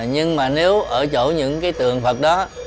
nhưng mà nếu ở chỗ những tượng phật đó